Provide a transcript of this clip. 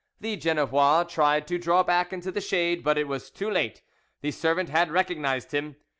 The Genevois tried to draw back into the shade, but it was too late: the servant had recognised him.